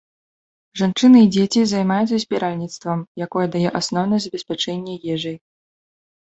Жанчыны і дзеці займаюцца збіральніцтвам, якое дае асноўнае забеспячэнне ежай.